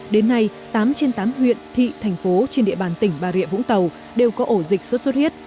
đến nay tám trên tám huyện thị thành phố trên địa bàn tỉnh bà rịa vũng tàu đều có ổ dịch sốt xuất huyết